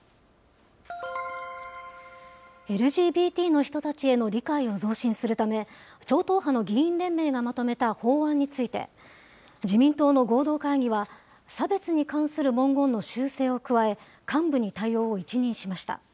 ＬＧＢＴの人たちへの理解を増進するため、超党派の議員連盟がまとめた法案について、自民党の合同会議は、差別に関する文言の修正を加え、幹部に対応を一任しました。